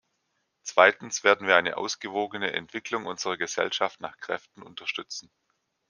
Zweitens werden wir eine ausgewogene Entwicklung unserer Gesellschaft nach Kräften unterstützen.